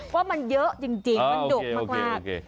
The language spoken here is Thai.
ว่ามันเยอะจริงมันดุมาก